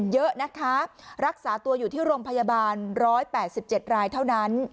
เยอะนะคะรักษาตัวอยู่ที่โรงพยาบาล๑๘๗รายเท่านั้น